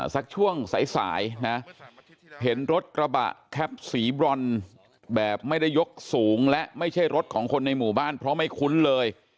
สักช่วงสายนะเห็นรถกระบะแคปสีบรอนแบบไม่ได้ยกสูงและไม่ใช่รถของคนในหมู่บ้านเพราะไม่คุ้นเลย